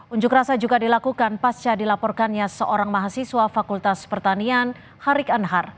unjuk rasa juga dilakukan pasca dilaporkannya seorang mahasiswa fakultas pertanian harik anhar